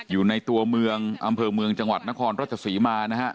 อยู่ในตัวเมืองอำเภอเมืองจังหวัดนครราชศรีมานะฮะ